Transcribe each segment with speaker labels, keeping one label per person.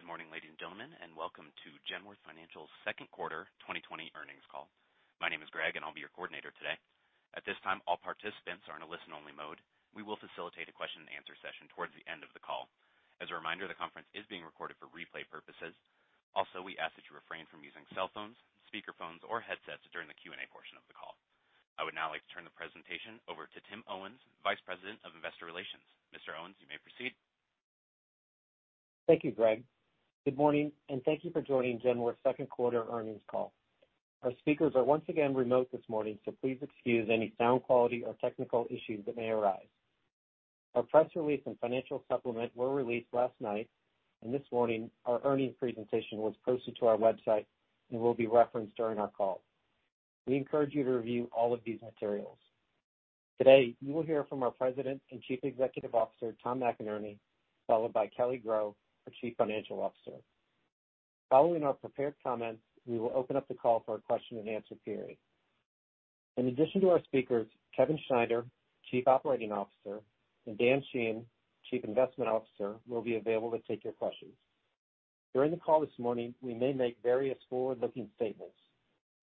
Speaker 1: Good morning, ladies and gentlemen, and welcome to Genworth Financial's Second Quarter 2020 Earnings Call. My name is Greg and I'll be your coordinator today. At this time, all participants are in a listen-only mode. We will facilitate a question and answer session towards the end of the call. As a reminder, the conference is being recorded for replay purposes. We ask that you refrain from using cell phones, speaker phones, or headsets during the Q&A portion of the call. I would now like to turn the presentation over to Tim Owens, Vice President of Investor Relations. Mr. Owens, you may proceed.
Speaker 2: Thank you, Greg. Good morning, and thank you for joining Genworth's Second Quarter Earnings Call. Our speakers are once again remote this morning, so please excuse any sound quality or technical issues that may arise. Our press release and financial supplement were released last night. This morning our earnings presentation was posted to our website and will be referenced during our call. We encourage you to review all of these materials. Today, you will hear from our President and Chief Executive Officer, Tom McInerney, followed by Kelly Groh, our Chief Financial Officer. Following our prepared comments, we will open up the call for a question-and-answer period. In addition to our speakers, Kevin Schneider, Chief Operating Officer, and Dan Sheehan, Chief Investment Officer, will be available to take your questions. During the call this morning, we may make various forward-looking statements.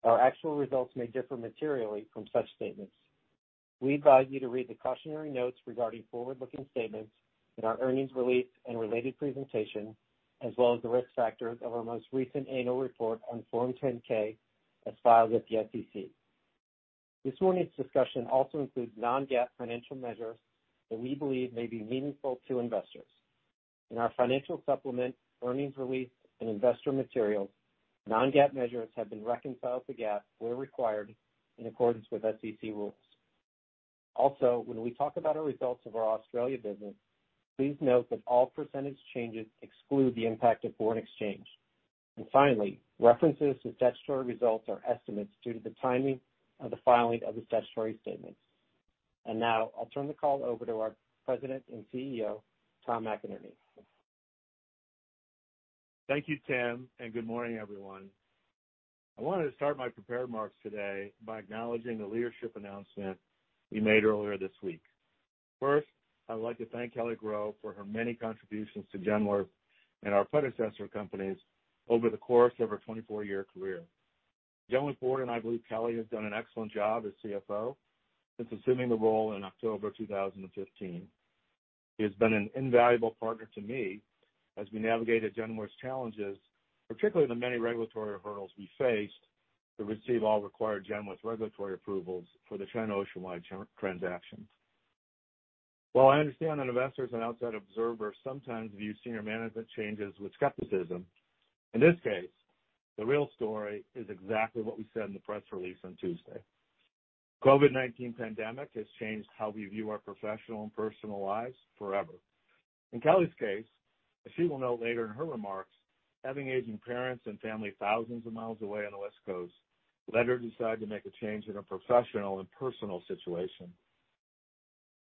Speaker 2: Our actual results may differ materially from such statements. We advise you to read the cautionary notes regarding forward-looking statements in our earnings release and related presentation, as well as the risk factors of our most recent annual report on Form 10-K as filed with the SEC. This morning's discussion also includes non-GAAP financial measures that we believe may be meaningful to investors. In our financial supplement, earnings release and investor materials, non-GAAP measures have been reconciled to GAAP where required in accordance with SEC rules. When we talk about our results of our Australia business, please note that all percentage changes exclude the impact of foreign exchange. Finally, references to statutory results are estimates due to the timing of the filing of the statutory statements. Now I'll turn the call over to our President and CEO, Tom McInerney.
Speaker 3: Thank you, Tim. Good morning, everyone. I wanted to start my prepared remarks today by acknowledging the leadership announcement we made earlier this week. First, I'd like to thank Kelly Groh for her many contributions to Genworth and our predecessor companies over the course of her 24-year career. Genworth's board and I believe Kelly has done an excellent job as CFO since assuming the role in October 2015. She has been an invaluable partner to me as we navigated Genworth's challenges, particularly the many regulatory hurdles we faced to receive all required Genworth regulatory approvals for the China Oceanwide transaction. While I understand that investors and outside observers sometimes view senior management changes with skepticism, in this case, the real story is exactly what we said in the press release on Tuesday. COVID-19 pandemic has changed how we view our professional and personal lives forever. In Kelly's case, as she will note later in her remarks, having aging parents and family thousands of miles away on the West Coast led her to decide to make a change in her professional and personal situation.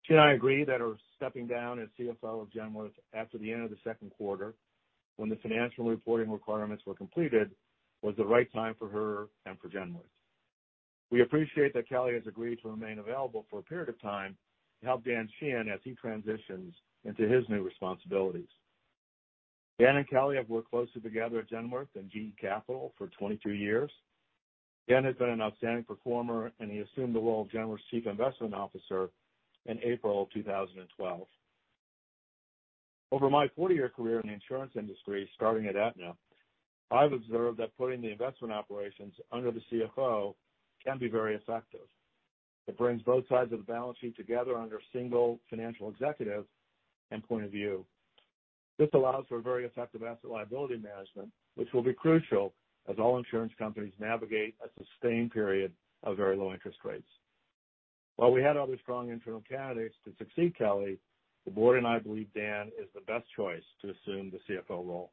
Speaker 3: She and I agree that her stepping down as CFO of Genworth after the end of the second quarter, when the financial reporting requirements were completed, was the right time for her and for Genworth. We appreciate that Kelly has agreed to remain available for a period of time to help Dan Sheehan as he transitions into his new responsibilities. Dan and Kelly have worked closely together at Genworth and GE Capital for 22 years. Dan has been an outstanding performer, and he assumed the role of Genworth's Chief Investment Officer in April 2012. Over my 40-year career in the insurance industry, starting at Aetna, I've observed that putting the investment operations under the CFO can be very effective. It brings both sides of the balance sheet together under a single financial executive and point of view. This allows for very effective asset liability management, which will be crucial as all insurance companies navigate a sustained period of very low interest rates. While we had other strong internal candidates to succeed Kelly, the board and I believe Dan is the best choice to assume the CFO role.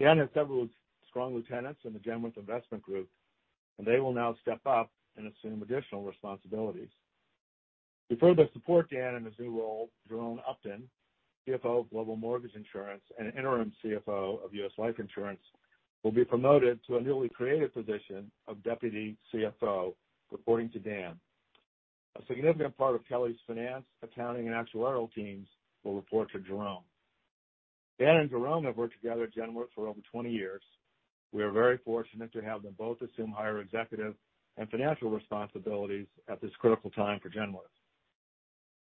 Speaker 3: Dan has several strong lieutenants in the Genworth Investment Group, and they will now step up and assume additional responsibilities. To further support Dan in his new role, Jerome Upton, CFO of Global Mortgage Insurance and Interim CFO of U.S. Life Insurance, will be promoted to a newly created position of Deputy CFO, reporting to Dan. A significant part of Kelly's finance, accounting, and actuarial teams will report to Jerome. Dan and Jerome have worked together at Genworth for over 20 years. We are very fortunate to have them both assume higher executive and financial responsibilities at this critical time for Genworth.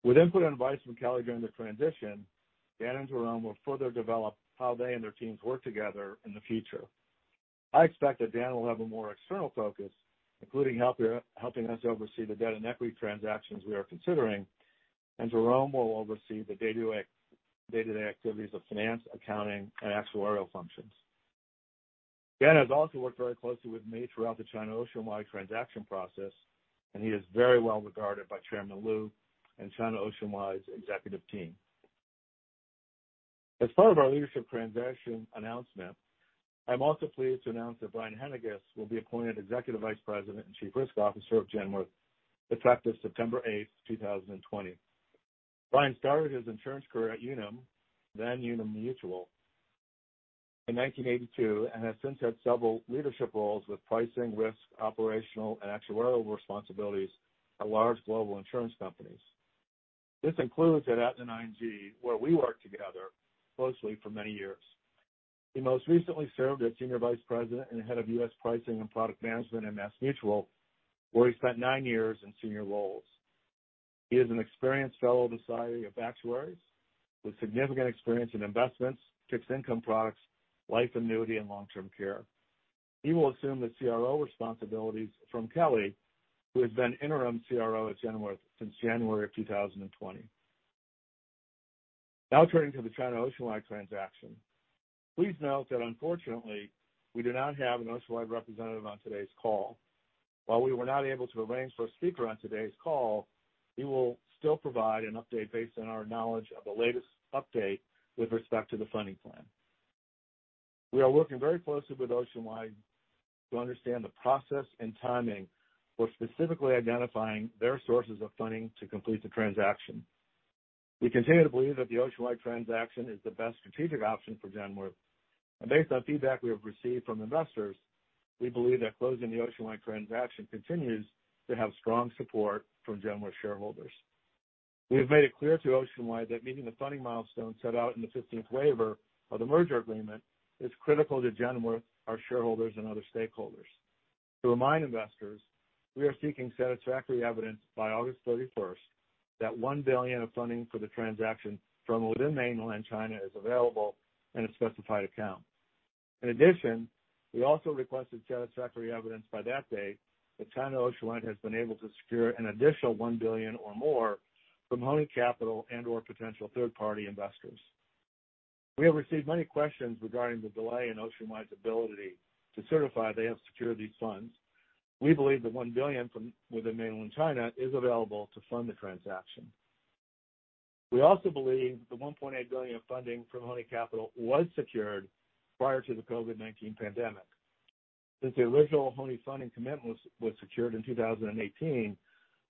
Speaker 3: With input and advice from Kelly during the transition, Dan and Jerome will further develop how they and their teams work together in the future. I expect that Dan will have a more external focus, including helping us oversee the debt and equity transactions we are considering, and Jerome will oversee the day-to-day activities of finance, accounting, and actuarial functions. Dan has also worked very closely with me throughout the China Oceanwide transaction process, and he is very well regarded by Chairman Lu and China Oceanwide's executive team. As part of our leadership transition announcement, I'm also pleased to announce that Brian Haendiges will be appointed Executive Vice President and Chief Risk Officer of Genworth, effective September 8, 2020. Brian started his insurance career at Unum, then Union Mutual in 1982, and has since had several leadership roles with pricing, risk, operational, and actuarial responsibilities at large global insurance companies. This includes at Aetna ING, where we worked together closely for many years. He most recently served as Senior Vice President and Head of U.S. Pricing and Product Management at MassMutual, where he spent nine years in senior roles. He is an experienced fellow of the Society of Actuaries with significant experience in investments, fixed income products, life annuity, and long-term care. He will assume the CRO responsibilities from Kelly, who has been Interim CRO at Genworth since January 2020. Turning to the China Oceanwide transaction. Please note that unfortunately, we do not have an Oceanwide representative on today's call. While we were not able to arrange for a speaker on today's call, we will still provide an update based on our knowledge of the latest update with respect to the funding plan. We are working very closely with Oceanwide to understand the process and timing for specifically identifying their sources of funding to complete the transaction. We continue to believe that the Oceanwide transaction is the best strategic option for Genworth. Based on feedback we have received from investors, we believe that closing the Oceanwide transaction continues to have strong support from Genworth shareholders. We have made it clear to Oceanwide that meeting the funding milestones set out in the 15th waiver of the merger agreement is critical to Genworth, our shareholders, and other stakeholders. To remind investors, we are seeking satisfactory evidence by August 31st that $1 billion of funding for the transaction from within mainland China is available in a specified account. In addition, we also requested satisfactory evidence by that date that China Oceanwide has been able to secure an additional $1 billion or more from Hony Capital and/or potential third-party investors. We have received many questions regarding the delay in Oceanwide's ability to certify they have secured these funds. We believe the $1 billion from within mainland China is available to fund the transaction. We also believe the $1.8 billion of funding from Hony Capital was secured prior to the COVID-19 pandemic. Since the original Hony funding commitment was secured in 2018,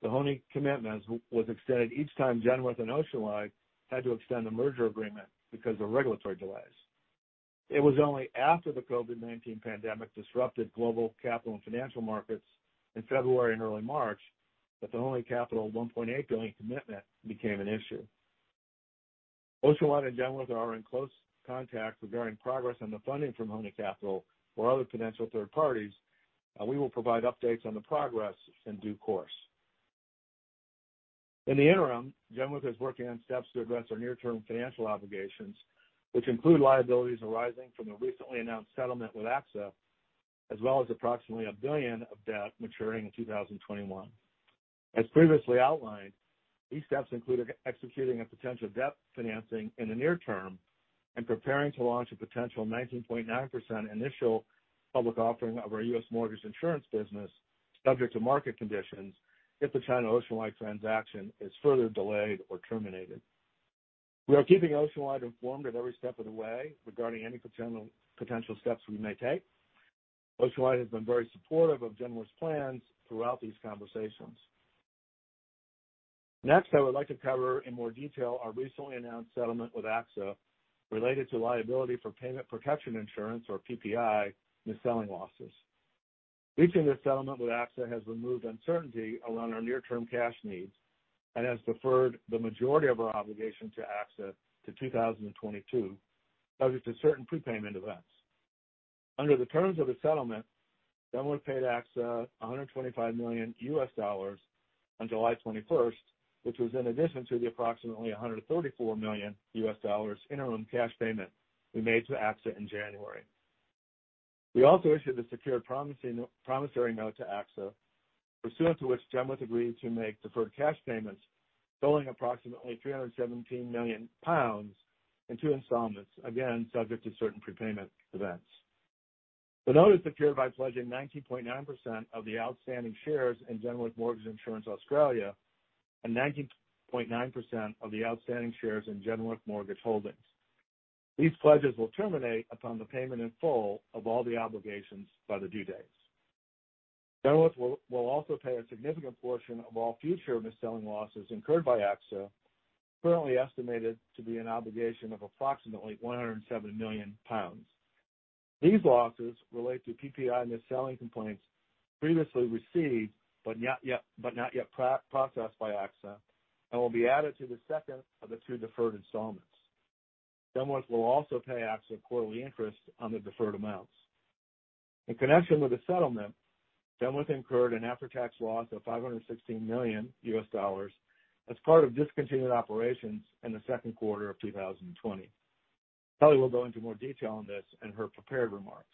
Speaker 3: the Hony commitment was extended each time Genworth and Oceanwide had to extend the merger agreement because of regulatory delays. It was only after the COVID-19 pandemic disrupted global capital and financial markets in February and early March that the Hony Capital $1.8 billion commitment became an issue. Oceanwide and Genworth are in close contact regarding progress on the funding from Hony Capital or other potential third parties. We will provide updates on the progress in due course. In the interim, Genworth is working on steps to address our near-term financial obligations, which include liabilities arising from the recently announced settlement with AXA, as well as approximately $1 billion of debt maturing in 2021. As previously outlined, these steps include executing a potential debt financing in the near term and preparing to launch a potential 19.9% initial public offering of our U.S. mortgage insurance business, subject to market conditions, if the China Oceanwide transaction is further delayed or terminated. We are keeping Oceanwide informed at every step of the way regarding any potential steps we may take. Oceanwide has been very supportive of Genworth's plans throughout these conversations. I would like to cover in more detail our recently announced settlement with AXA related to liability for payment protection insurance, or PPI, mis-selling losses. Reaching this settlement with AXA has removed uncertainty around our near-term cash needs and has deferred the majority of our obligation to AXA to 2022, subject to certain prepayment events. Under the terms of the settlement, Genworth paid AXA $125 million on July 21st, which was in addition to the approximately $134 million interim cash payment we made to AXA in January. We also issued a secured promissory note to AXA, pursuant to which Genworth agreed to make deferred cash payments totaling approximately EUR 317 million in two installments, again, subject to certain prepayment events. The note is secured by pledging 19.9% of the outstanding shares in Genworth Mortgage Insurance Australia and 19.9% of the outstanding shares in Genworth Mortgage Holdings. These pledges will terminate upon the payment in full of all the obligations by the due dates. Genworth will also pay a significant portion of all future mis-selling losses incurred by AXA, currently estimated to be an obligation of approximately EUR 107 million. These losses relate to PPI mis-selling complaints previously received but not yet processed by AXA and will be added to the second of the two deferred installments. Genworth will also pay AXA quarterly interest on the deferred amounts. In connection with the settlement, Genworth incurred an after-tax loss of $516 million as part of discontinued operations in the second quarter of 2020. Kelly will go into more detail on this in her prepared remarks.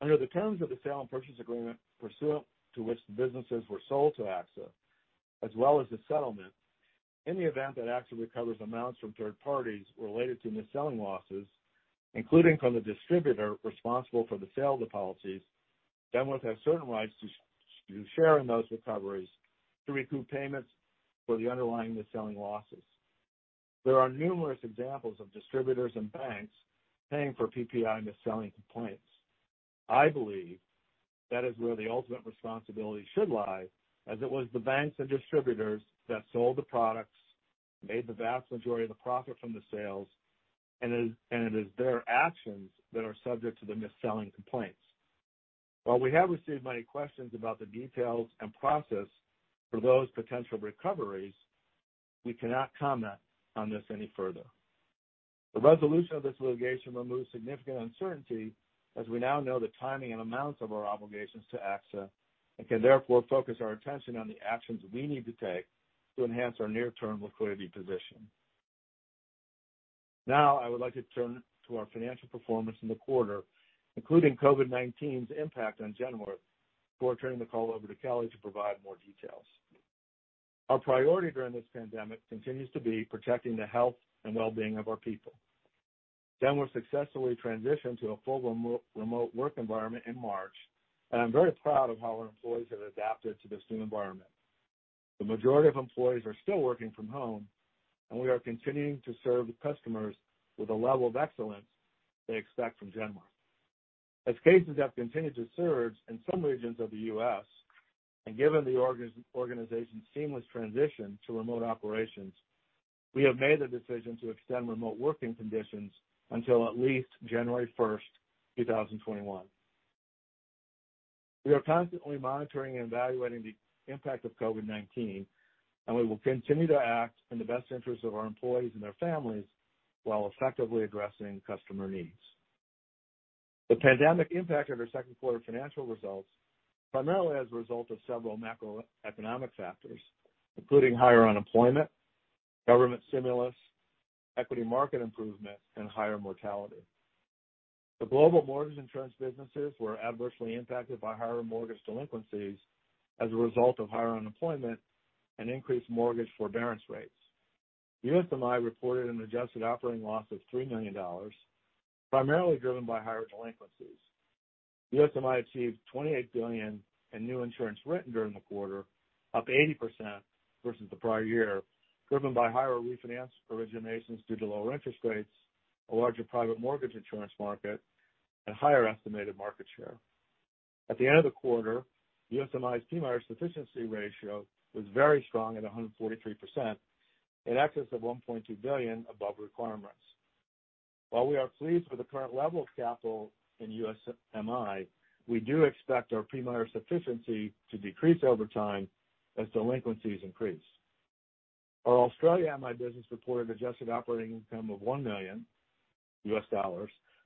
Speaker 3: Under the terms of the sale and purchase agreement pursuant to which the businesses were sold to AXA, as well as the settlement, in the event that AXA recovers amounts from third parties related to mis-selling losses, including from the distributor responsible for the sale of the policies, Genworth has certain rights to share in those recoveries to recoup payments for the underlying mis-selling losses. There are numerous examples of distributors and banks paying for PPI mis-selling complaints. I believe that is where the ultimate responsibility should lie, as it was the banks and distributors that sold the products, made the vast majority of the profit from the sales, and it is their actions that are subject to the mis-selling complaints. We have received many questions about the details and process for those potential recoveries, we cannot comment on this any further. The resolution of this litigation removes significant uncertainty as we now know the timing and amounts of our obligations to AXA and can therefore focus our attention on the actions we need to take to enhance our near-term liquidity position. I would like to turn to our financial performance in the quarter, including COVID-19's impact on Genworth, before turning the call over to Kelly to provide more details. Our priority during this pandemic continues to be protecting the health and well-being of our people. Genworth successfully transitioned to a full remote work environment in March, and I'm very proud of how our employees have adapted to this new environment. The majority of employees are still working from home, and we are continuing to serve customers with a level of excellence they expect from Genworth. As cases have continued to surge in some regions of the U.S., and given the organization's seamless transition to remote operations, we have made the decision to extend remote working conditions until at least January 1st, 2021. We are constantly monitoring and evaluating the impact of COVID-19, and we will continue to act in the best interest of our employees and their families while effectively addressing customer needs. The pandemic impacted our second quarter financial results primarily as a result of several macroeconomic factors, including higher unemployment, government stimulus, equity market improvement, and higher mortality. The global mortgage insurance businesses were adversely impacted by higher mortgage delinquencies as a result of higher unemployment and increased mortgage forbearance rates. USMI reported an adjusted operating loss of $3 million, primarily driven by higher delinquencies. USMI achieved $28 billion in new insurance written during the quarter, up 80% versus the prior year, driven by higher refinance originations due to lower interest rates, a larger private mortgage insurance market, and higher estimated market share. At the end of the quarter, USMI's PMIER sufficiency ratio was very strong at 143%, in excess of $1.2 billion above requirements. While we are pleased with the current level of capital in USMI, we do expect our PMIER sufficiency to decrease over time as delinquencies increase. Our Australia MI business reported adjusted operating income of $1 million,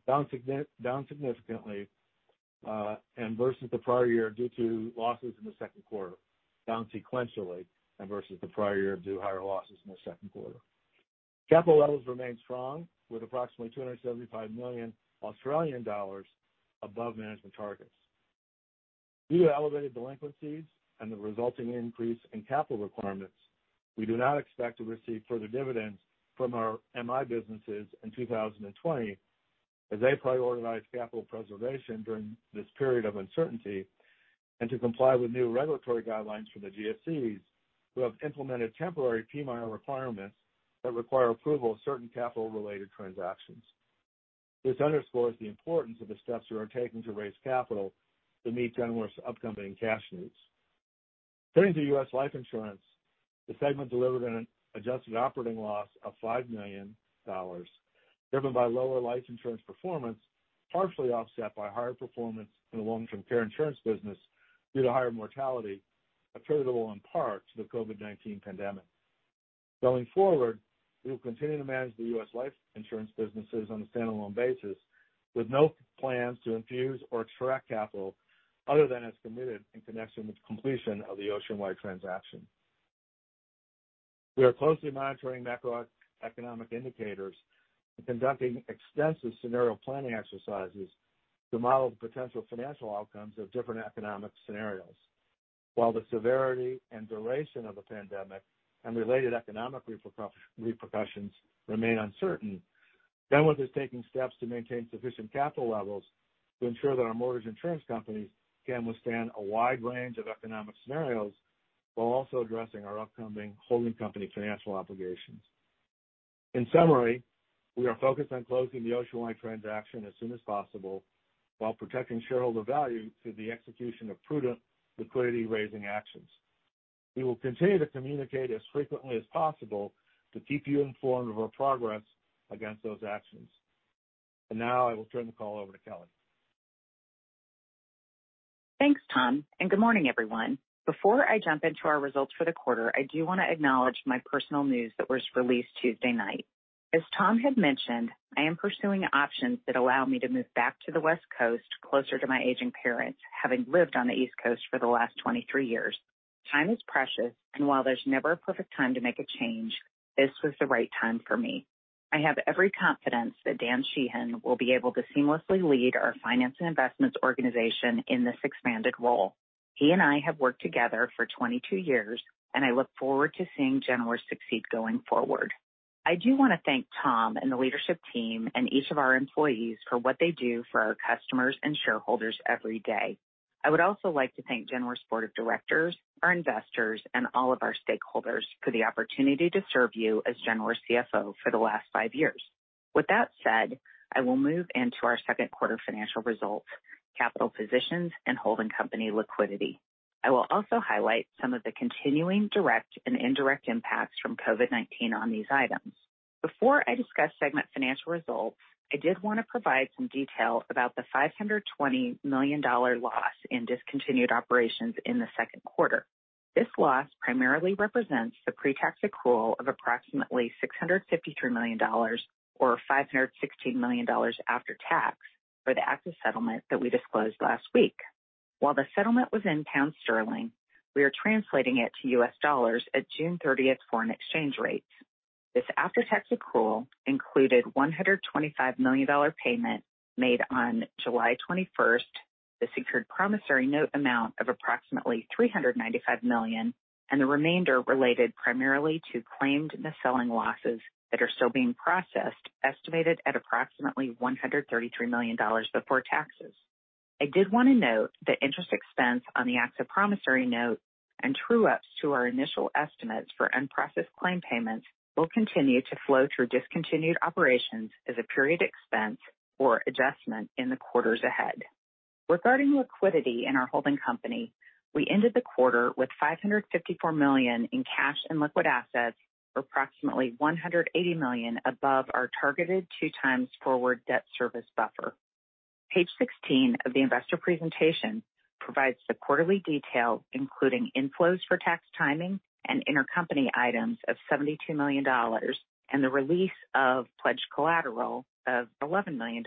Speaker 3: down significantly and versus the prior year due to losses in the second quarter, down sequentially and versus the prior year due to higher losses in the second quarter. Capital levels remain strong, with approximately 275 million Australian dollars above management targets. Due to elevated delinquencies and the resulting increase in capital requirements, we do not expect to receive further dividends from our MI businesses in 2020 as they prioritize capital preservation during this period of uncertainty and to comply with new regulatory guidelines for the GSEs, who have implemented temporary PMIER requirements that require approval of certain capital-related transactions. This underscores the importance of the steps we are taking to raise capital to meet Genworth's upcoming cash needs. Turning to U.S. Life Insurance, the segment delivered an adjusted operating loss of $5 million, driven by lower life insurance performance, partially offset by higher performance in the long-term care insurance business due to higher mortality, attributable in part to the COVID-19 pandemic. Going forward, we will continue to manage the US Life Insurance businesses on a standalone basis with no plans to infuse or attract capital other than as committed in connection with completion of the Oceanwide transaction. We are closely monitoring macroeconomic indicators and conducting extensive scenario planning exercises to model the potential financial outcomes of different economic scenarios. While the severity and duration of the pandemic and related economic repercussions remain uncertain, Genworth is taking steps to maintain sufficient capital levels to ensure that our mortgage insurance companies can withstand a wide range of economic scenarios while also addressing our upcoming holding company financial obligations. In summary, we are focused on closing the Oceanwide transaction as soon as possible while protecting shareholder value through the execution of prudent liquidity-raising actions. We will continue to communicate as frequently as possible to keep you informed of our progress against those actions. Now I will turn the call over to Kelly.
Speaker 4: Thanks, Tom. Good morning, everyone. Before I jump into our results for the quarter, I do want to acknowledge my personal news that was released Tuesday night. As Tom had mentioned, I am pursuing options that allow me to move back to the West Coast, closer to my aging parents, having lived on the East Coast for the last 23 years. Time is precious. While there's never a perfect time to make a change, this was the right time for me. I have every confidence that Dan Sheehan will be able to seamlessly lead our finance and investments organization in this expanded role. He and I have worked together for 22 years. I look forward to seeing Genworth succeed going forward. I do want to thank Tom and the leadership team and each of our employees for what they do for our customers and shareholders every day. I would also like to thank Genworth's board of directors, our investors, and all of our stakeholders for the opportunity to serve you as Genworth's CFO for the last five years. With that said, I will move into our second quarter financial results, capital positions, and holding company liquidity. I will also highlight some of the continuing direct and indirect impacts from COVID-19 on these items. Before I discuss segment financial results, I did want to provide some detail about the $520 million loss in discontinued operations in the second quarter. This loss primarily represents the pre-tax accrual of approximately $653 million, or $516 million after tax, for the AXA settlement that we disclosed last week. While the settlement was in pound sterling, we are translating it to U.S. dollars at June 30th foreign exchange rates. This after-tax accrual included a $125 million payment made on July 21st, the secured promissory note amount of approximately $395 million, and the remainder related primarily to claimed mis-selling losses that are still being processed, estimated at approximately $133 million before taxes. I did want to note that interest expense on the AXA promissory note and true-ups to our initial estimates for unprocessed claim payments will continue to flow through discontinued operations as a period expense or adjustment in the quarters ahead. Regarding liquidity in our holding company, we ended the quarter with $554 million in cash and liquid assets, or approximately $180 million above our targeted two times forward debt service buffer. Page 16 of the investor presentation provides the quarterly detail, including inflows for tax timing and intercompany items of $72 million, and the release of pledged collateral of $11 million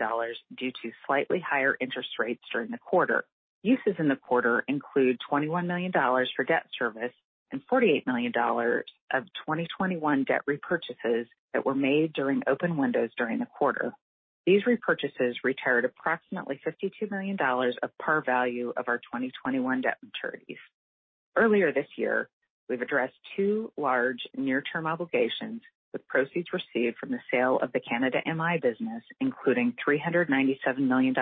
Speaker 4: due to slightly higher interest rates during the quarter. Uses in the quarter include $21 million for debt service and $48 million of 2021 debt repurchases that were made during open windows during the quarter. These repurchases retired approximately $52 million of par value of our 2021 debt maturities. Earlier this year, we've addressed two large near-term obligations with proceeds received from the sale of the Canada MI business, including $397 million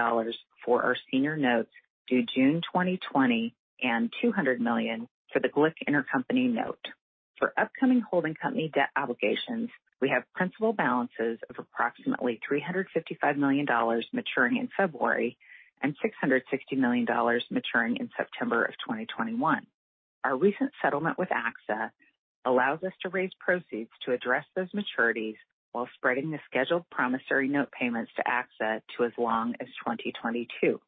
Speaker 4: for our senior notes due June 2020 and $200 million for the GLIC Intercompany note. For upcoming holding company debt obligations, we have principal balances of approximately $355 million maturing in February and $660 million maturing in September 2021. Our recent settlement with AXA allows us to raise proceeds to address those maturities while spreading the scheduled promissory note payments to AXA to as long as 2022.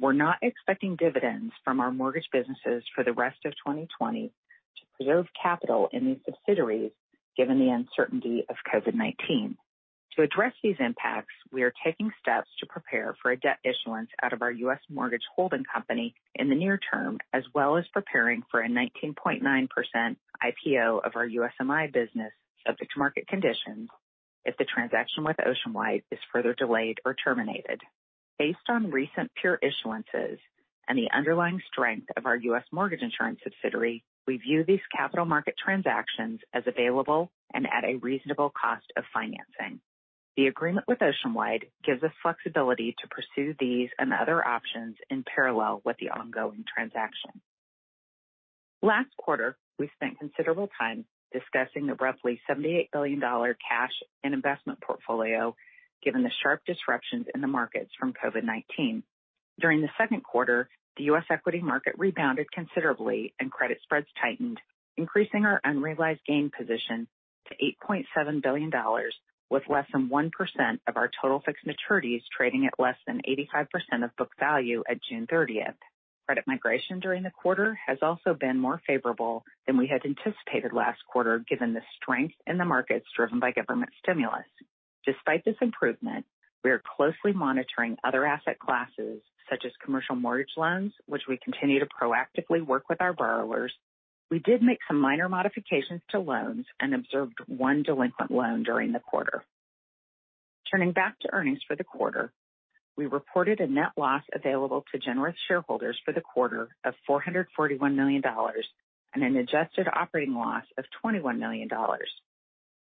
Speaker 4: We're not expecting dividends from our mortgage businesses for the rest of 2020 to preserve capital in these subsidiaries given the uncertainty of COVID-19. To address these impacts, we are taking steps to prepare for a debt issuance out of our U.S. mortgage holding company in the near term, as well as preparing for a 19.9% IPO of our USMI business subject to market conditions if the transaction with Oceanwide is further delayed or terminated. Based on recent peer issuances and the underlying strength of our U.S. mortgage insurance subsidiary, we view these capital market transactions as available and at a reasonable cost of financing. The agreement with Oceanwide gives us flexibility to pursue these and other options in parallel with the ongoing transaction. Last quarter, we spent considerable time discussing the roughly $78 billion cash and investment portfolio given the sharp disruptions in the markets from COVID-19. During the second quarter, the U.S. equity market rebounded considerably and credit spreads tightened, increasing our unrealized gain position to $8.7 billion, with less than 1% of our total fixed maturities trading at less than 85% of book value at June 30th. Credit migration during the quarter has also been more favorable than we had anticipated last quarter given the strength in the markets driven by government stimulus. Despite this improvement, we are closely monitoring other asset classes such as commercial mortgage loans, which we continue to proactively work with our borrowers. We did make some minor modifications to loans and observed one delinquent loan during the quarter. Turning back to earnings for the quarter, we reported a net loss available to Genworth shareholders for the quarter of $441 million and an adjusted operating loss of $21 million.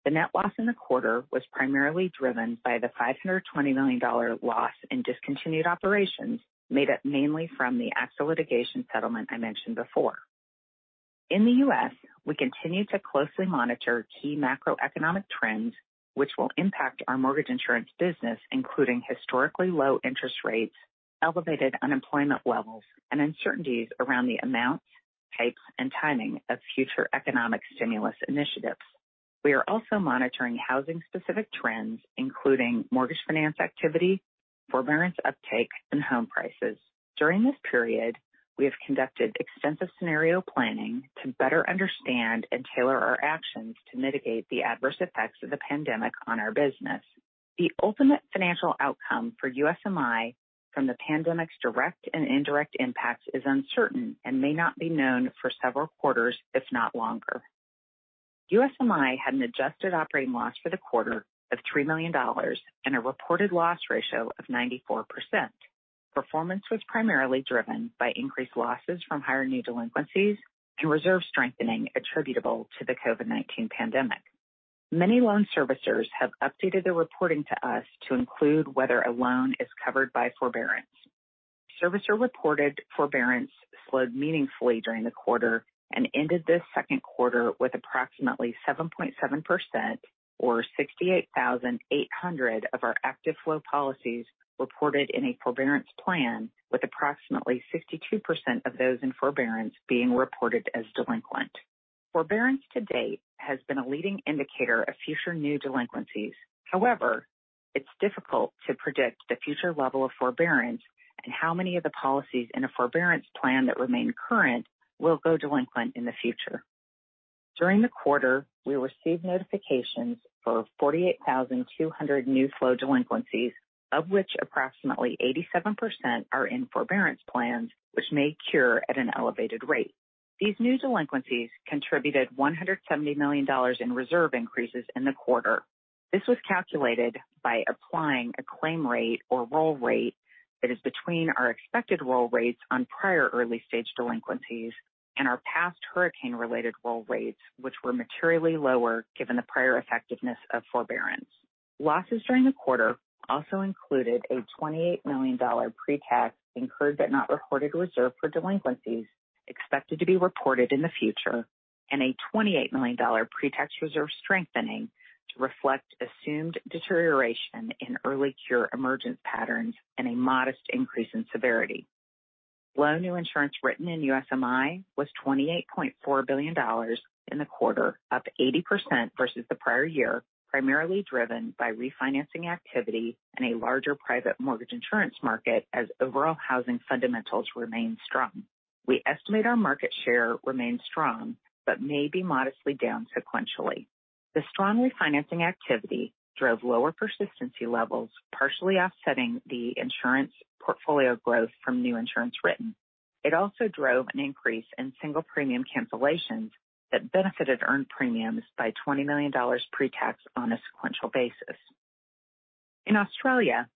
Speaker 4: The net loss in the quarter was primarily driven by the $520 million loss in discontinued operations made up mainly from the AXA litigation settlement I mentioned before. In the U.S., we continue to closely monitor key macroeconomic trends which will impact our mortgage insurance business, including historically low interest rates, elevated unemployment levels, and uncertainties around the amount, type, and timing of future economic stimulus initiatives. We are also monitoring housing-specific trends, including mortgage finance activity, forbearance uptake, and home prices. During this period, we have conducted extensive scenario planning to better understand and tailor our actions to mitigate the adverse effects of the pandemic on our business. The ultimate financial outcome for USMI from the pandemic's direct and indirect impacts is uncertain and may not be known for several quarters, if not longer. USMI had an adjusted operating loss for the quarter of $3 million and a reported loss ratio of 94%. Performance was primarily driven by increased losses from higher new delinquencies and reserve strengthening attributable to the COVID-19 pandemic. Many loan servicers have updated their reporting to us to include whether a loan is covered by forbearance. Servicer-reported forbearance slowed meaningfully during the quarter and ended this second quarter with approximately 7.7%, or 68,800 of our active flow policies reported in a forbearance plan with approximately 62% of those in forbearance being reported as delinquent. Forbearance to date has been a leading indicator of future new delinquencies. However, it's difficult to predict the future level of forbearance and how many of the policies in a forbearance plan that remain current will go delinquent in the future. During the quarter, we received notifications for 48,200 new flow delinquencies, of which approximately 87% are in forbearance plans which may cure at an elevated rate. These new delinquencies contributed $170 million in reserve increases in the quarter. This was calculated by applying a claim rate or roll rate that is between our expected roll rates on prior early-stage delinquencies and our past hurricane-related roll rates, which were materially lower given the prior effectiveness of forbearance. Losses during the quarter also included a $28 million pre-tax incurred but not reported reserve for delinquencies expected to be reported in the future and a $28 million pre-tax reserve strengthening to reflect assumed deterioration in early cure emergence patterns and a modest increase in severity. Loan new insurance written in USMI was $28.4 billion in the quarter, up 80% versus the prior year, primarily driven by refinancing activity and a larger private mortgage insurance market as overall housing fundamentals remain strong. We estimate our market share remains strong but may be modestly down sequentially. The strong refinancing activity drove lower persistency levels, partially offsetting the insurance portfolio growth from new insurance written. It also drove an increase in single premium cancellations that benefited earned premiums by $20 million pre-tax on a sequential basis. In Australia,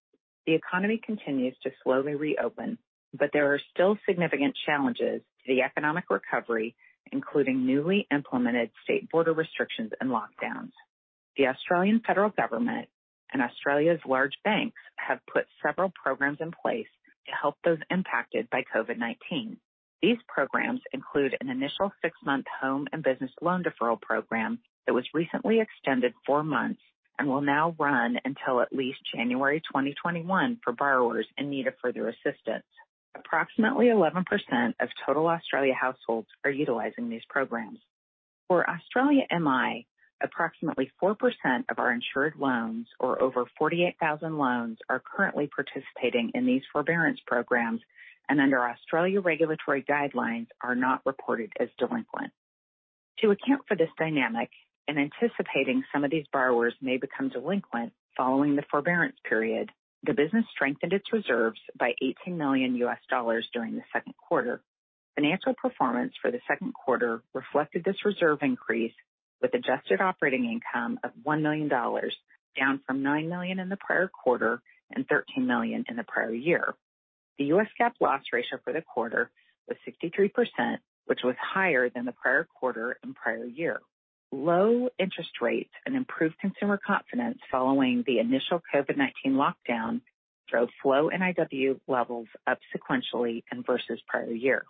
Speaker 4: the economy continues to slowly reopen, but there are still significant challenges to the economic recovery, including newly implemented state border restrictions and lockdowns. The Australian Federal Government and Australia's large banks have put several programs in place to help those impacted by COVID-19. These programs include an initial six-month home and business loan deferral program that was recently extended four months and will now run until at least January 2021 for borrowers in need of further assistance. Approximately 11% of total Australia households are utilizing these programs. For Australia MI, approximately 4% of our insured loans, or over 48,000 loans, are currently participating in these forbearance programs and under Australia regulatory guidelines are not reported as delinquent. To account for this dynamic and anticipating some of these borrowers may become delinquent following the forbearance period, the business strengthened its reserves by $18 million during the second quarter. Financial performance for the second quarter reflected this reserve increase with adjusted operating income of $1 million, down from $9 million in the prior quarter and $13 million in the prior year. The U.S. GAAP loss ratio for the quarter was 63%, which was higher than the prior quarter and prior year. Low interest rates and improved consumer confidence following the initial COVID-19 lockdown drove flow NIW levels up sequentially and versus prior year.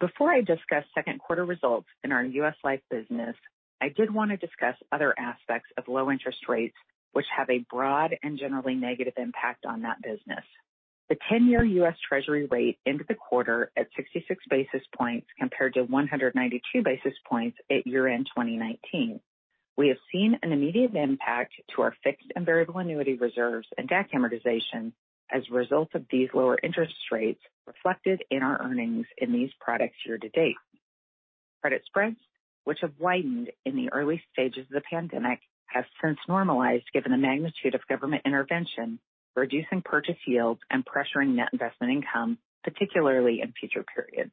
Speaker 4: Before I discuss second quarter results in our U.S. Life business, I did want to discuss other aspects of low interest rates, which have a broad and generally negative impact on that business. The 10-year U.S. Treasury rate ended the quarter at 66 basis points compared to 192 basis points at year-end 2019. We have seen an immediate impact to our fixed and variable annuity reserves and DAC amortization as a result of these lower interest rates reflected in our earnings in these products year to date. Credit spreads, which have widened in the early stages of the pandemic, have since normalized given the magnitude of government intervention, reducing purchase yields and pressuring net investment income, particularly in future periods.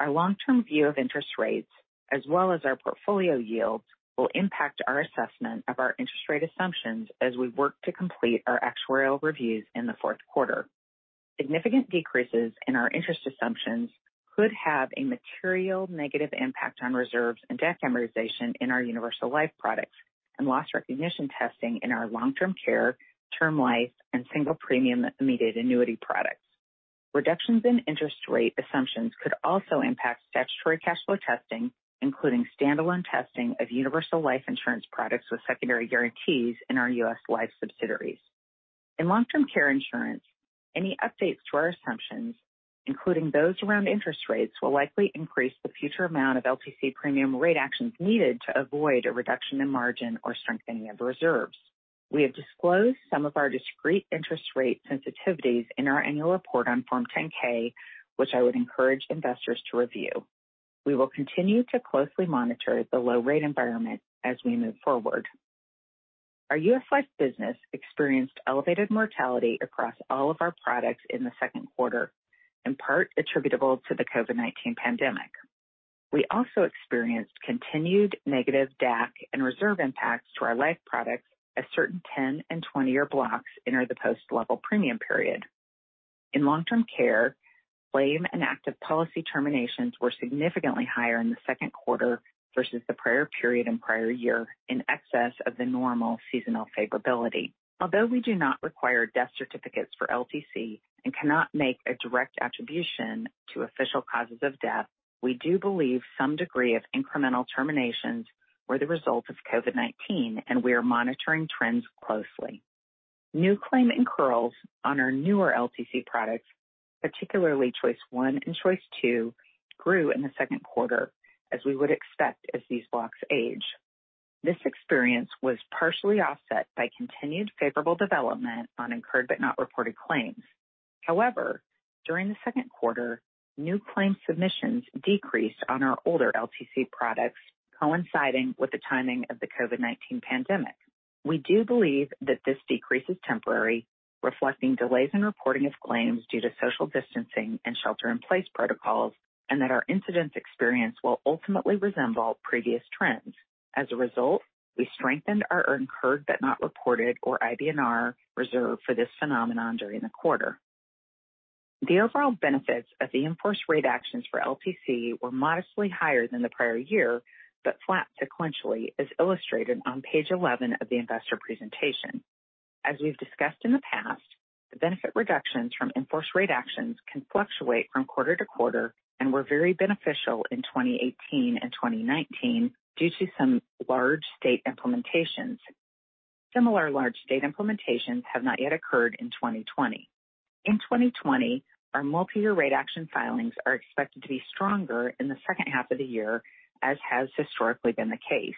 Speaker 4: Our long-term view of interest rates, as well as our portfolio yields, will impact our assessment of our interest rate assumptions as we work to complete our actuarial reviews in the fourth quarter. Significant decreases in our interest assumptions could have a material negative impact on reserves and DAC amortization in our universal life products and loss recognition testing in our long-term care, term life, and single premium immediate annuity products. Reductions in interest rate assumptions could also impact statutory cash flow testing, including stand-alone testing of universal life insurance products with secondary guarantees in our U.S. Life subsidiaries. In long-term care insurance, any updates to our assumptions, including those around interest rates, will likely increase the future amount of LTC premium rate actions needed to avoid a reduction in margin or strengthening of reserves. We have disclosed some of our discrete interest rate sensitivities in our annual report on Form 10-K, which I would encourage investors to review. We will continue to closely monitor the low rate environment as we move forward. Our U.S. Life business experienced elevated mortality across all of our products in the second quarter, in part attributable to the COVID-19 pandemic. We also experienced continued negative DAC and reserve impacts to our life products as certain 10 and 20-year blocks enter the post-level premium period. In long-term care, claim and active policy terminations were significantly higher in the second quarter versus the prior period and prior year in excess of the normal seasonal favorability. Although we do not require death certificates for LTC and cannot make a direct attribution to official causes of death, we do believe some degree of incremental terminations were the result of COVID-19, and we are monitoring trends closely. New claim incurrals on our newer LTC products, particularly Choice I and Choice II, grew in the second quarter, as we would expect as these blocks age. This experience was partially offset by continued favorable development on incurred but not reported claims. However, during the second quarter, new claim submissions decreased on our older LTC products coinciding with the timing of the COVID-19 pandemic. We do believe that this decrease is temporary, reflecting delays in reporting of claims due to social distancing and shelter-in-place protocols, and that our incidence experience will ultimately resemble previous trends. As a result, we strengthened our incurred but not reported, or IBNR, reserve for this phenomenon during the quarter. The overall benefits of the enforced rate actions for LTC were modestly higher than the prior year, but flat sequentially as illustrated on page 11 of the investor presentation. As we've discussed in the past, the benefit reductions from enforced rate actions can fluctuate from quarter to quarter and were very beneficial in 2018 and 2019 due to some large state implementations. Similar large state implementations have not yet occurred in 2020. In 2020, our multi-year rate action filings are expected to be stronger in the second half of the year, as has historically been the case.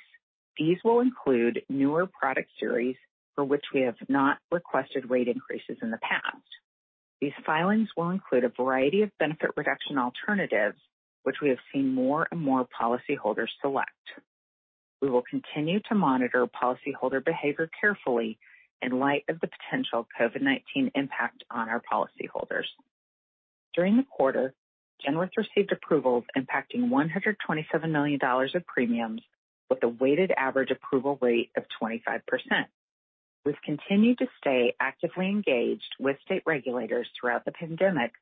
Speaker 4: These will include newer product series for which we have not requested rate increases in the past. These filings will include a variety of benefit reduction alternatives, which we have seen more and more policyholders select. We will continue to monitor policyholder behavior carefully in light of the potential COVID-19 impact on our policyholders. During the quarter, Genworth received approvals impacting $127 million of premiums with a weighted average approval rate of 25%. We've continued to stay actively engaged with state regulators throughout the pandemic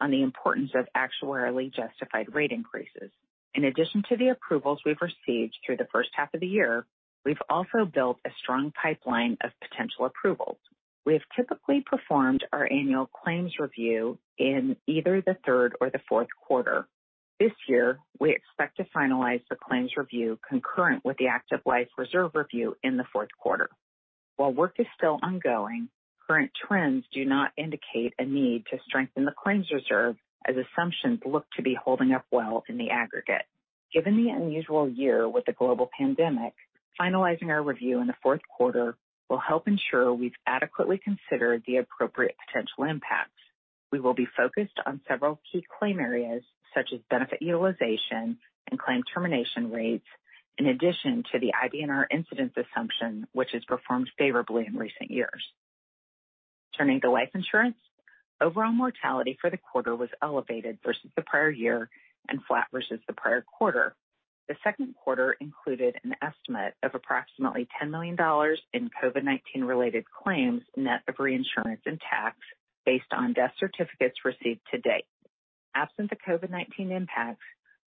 Speaker 4: on the importance of actuarially justified rate increases. In addition to the approvals we've received through the first half of the year, we've also built a strong pipeline of potential approvals. We have typically performed our annual claims review in either the third or the fourth quarter. This year, we expect to finalize the claims review concurrent with the active life reserve review in the fourth quarter. While work is still ongoing, current trends do not indicate a need to strengthen the claims reserve as assumptions look to be holding up well in the aggregate. Given the unusual year with the global pandemic, finalizing our review in the fourth quarter will help ensure we've adequately considered the appropriate potential impacts. We will be focused on several key claim areas such as benefit utilization and claim termination rates, in addition to the IBNR incidence assumption, which has performed favorably in recent years. Turning to life insurance, overall mortality for the quarter was elevated versus the prior year and flat versus the prior quarter. The second quarter included an estimate of approximately $10 million in COVID-19 related claims net of reinsurance and tax based on death certificates received to date. Absent the COVID-19 impacts,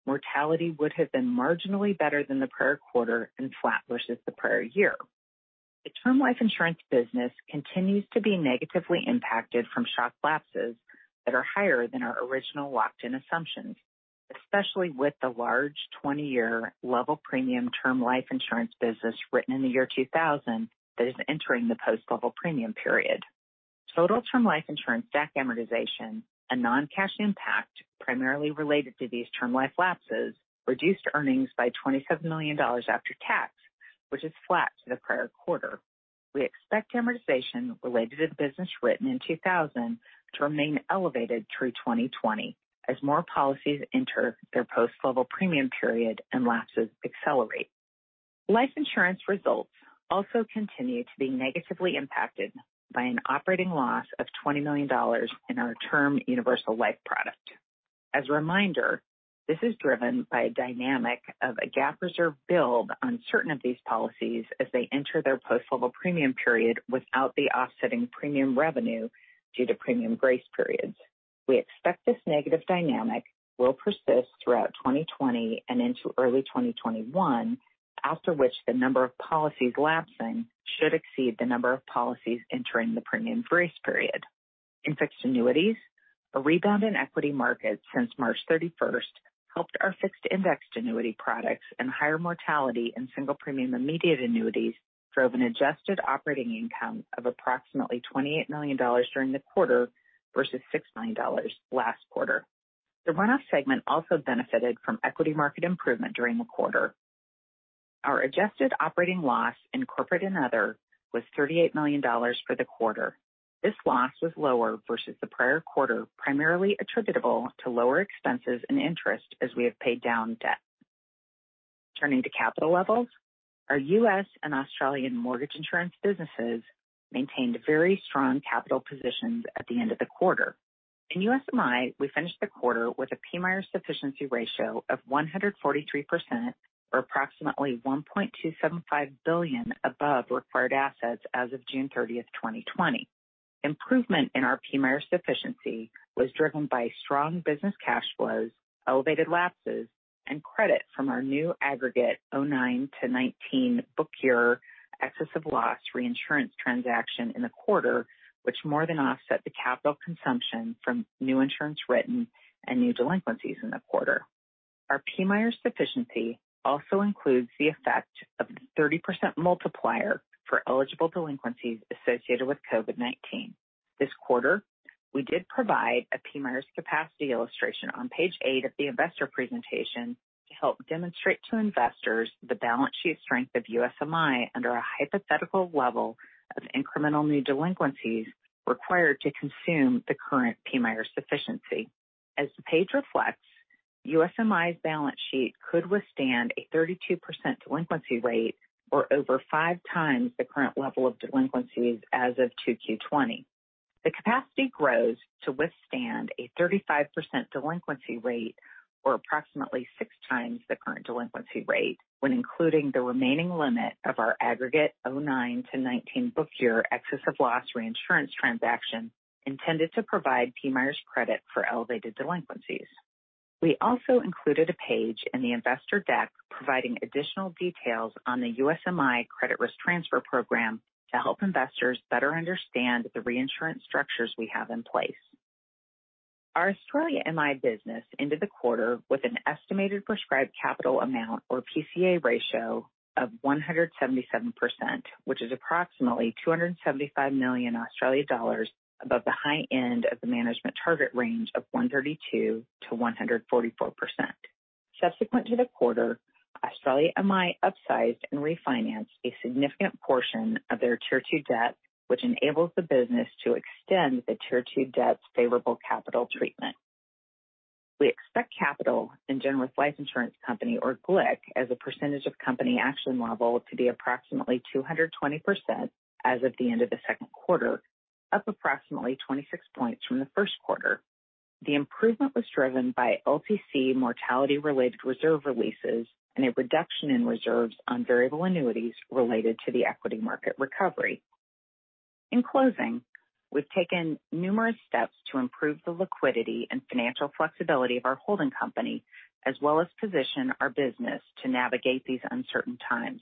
Speaker 4: mortality would have been marginally better than the prior quarter and flat versus the prior year. The term life insurance business continues to be negatively impacted from shock lapses that are higher than our original locked-in assumptions, especially with the large 20-year level premium term life insurance business written in the year 2000 that is entering the post-level premium period. Total term life insurance DAC amortization, a non-cash impact primarily related to these term life lapses, reduced earnings by $27 million after tax, which is flat to the prior quarter. We expect amortization related to the business written in 2000 to remain elevated through 2020 as more policies enter their post-level premium period and lapses accelerate. Life insurance results also continue to be negatively impacted by an operating loss of $20 million in our term Universal Life product. As a reminder, this is driven by a dynamic of a GAAP reserve build on certain of these policies as they enter their post-level premium period without the offsetting premium revenue due to premium grace periods. We expect this negative dynamic will persist throughout 2020 and into early 2021, after which the number of policies lapsing should exceed the number of policies entering the premium grace period. In fixed annuities, a rebound in equity markets since March 31st helped our fixed indexed annuity products, and higher mortality in single premium immediate annuities drove an adjusted operating income of approximately $28 million during the quarter versus $6 million last quarter. The Runoff segment also benefited from equity market improvement during the quarter. Our adjusted operating loss in Corporate and Other was $38 million for the quarter. This loss was lower versus the prior quarter, primarily attributable to lower expenses and interest as we have paid down debt. Turning to capital levels, our U.S. and Australian mortgage insurance businesses maintained very strong capital positions at the end of the quarter. In USMI, we finished the quarter with a PMIER Sufficiency Ratio of 143%, or approximately $1.275 billion above required assets as of June 30th, 2020. Improvement in our PMIER sufficiency was driven by strong business cash flows, elevated lapses, and credit from our new aggregate '09-'19 book year excess of loss reinsurance transaction in the quarter, which more than offset the capital consumption from new insurance written and new delinquencies in the quarter. Our PMIER sufficiency also includes the effect of the 30% multiplier for eligible delinquencies associated with COVID-19. This quarter, we did provide a PMIER capacity illustration on page eight of the investor presentation to help demonstrate to investors the balance sheet strength of USMI under a hypothetical level of incremental new delinquencies required to consume the current PMIER sufficiency. As the page reflects, USMI's balance sheet could withstand a 32% delinquency rate or over five times the current level of delinquencies as of 2Q20. The capacity grows to withstand a 35% delinquency rate or approximately six times the current delinquency rate when including the remaining limit of our aggregate 2009 to 2019 book year excess of loss reinsurance transaction intended to provide PMIER's credit for elevated delinquencies. We also included a page in the investor deck providing additional details on the USMI credit risk transfer program to help investors better understand the reinsurance structures we have in place. Our Australia MI business ended the quarter with an estimated prescribed capital amount or PCA ratio of 177%, which is approximately 275 million dollars above the high end of the management target range of 132%-144%. Subsequent to the quarter, Australia MI upsized and refinanced a significant portion of their Tier 2 debt, which enables the business to extend the Tier 2 debt's favorable capital treatment. We expect capital in Genworth Life Insurance Company, or GLIC, as a percentage of company action level to be approximately 220% as of the end of the second quarter, up approximately 26 points from the first quarter. The improvement was driven by LTC mortality-related reserve releases and a reduction in reserves on variable annuities related to the equity market recovery. In closing, we've taken numerous steps to improve the liquidity and financial flexibility of our holding company, as well as position our business to navigate these uncertain times.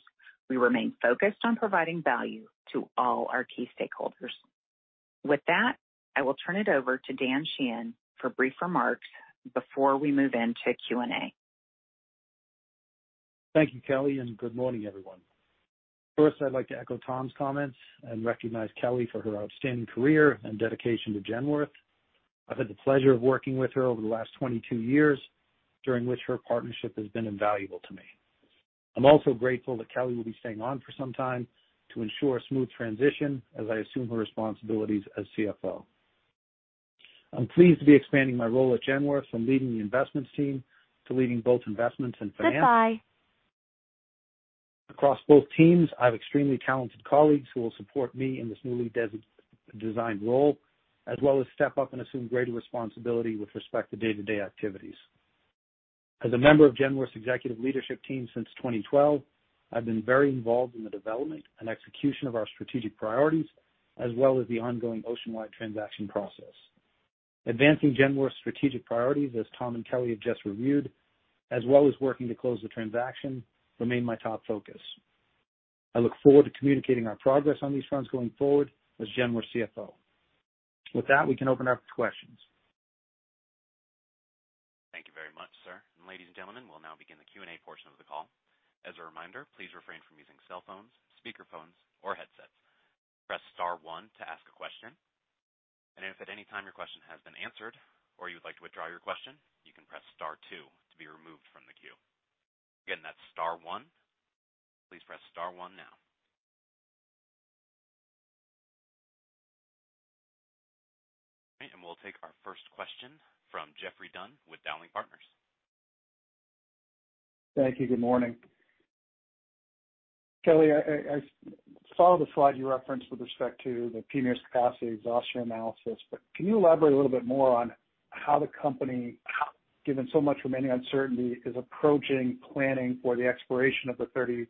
Speaker 4: We remain focused on providing value to all our key stakeholders. With that, I will turn it over to Dan Sheehan for brief remarks before we move into Q&A.
Speaker 5: Thank you, Kelly, and good morning, everyone. First, I'd like to echo Tom's comments and recognize Kelly for her outstanding career and dedication to Genworth. I've had the pleasure of working with her over the last 22 years, during which her partnership has been invaluable to me. I'm also grateful that Kelly will be staying on for some time to ensure a smooth transition as I assume her responsibilities as CFO. I'm pleased to be expanding my role at Genworth from leading the investments team to leading both investments and finance. Across both teams, I have extremely talented colleagues who will support me in this newly designed role, as well as step up and assume greater responsibility with respect to day-to-day activities. As a member of Genworth's executive leadership team since 2012, I've been very involved in the development and execution of our strategic priorities as well as the ongoing Oceanwide transaction process. Advancing Genworth's strategic priorities, as Tom and Kelly have just reviewed, as well as working to close the transaction remain my top focus. I look forward to communicating our progress on these fronts going forward as Genworth CFO. With that, we can open up to questions.
Speaker 1: Thank you very much, sir. Ladies and gentlemen, we'll now begin the Q&A portion of the call. As a reminder, please refrain from using cell phones, speaker phones, or headsets. Press star one to ask a question. If at any time your question has been answered or you would like to withdraw your question, you can press star two to be removed from the queue. Again, that's star one. Please press star one now. Great, we'll take our first question from Geoffrey Dunn with Dowling & Partners.
Speaker 6: Thank you. Good morning. Kelly, I saw the slide you referenced with respect to the PMIERs capacity exhaustion analysis. Can you elaborate a little bit more on how the company, given so much remaining uncertainty, is approaching planning for the expiration of the 30%